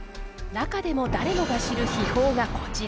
中でも誰もが知る秘宝がこちら。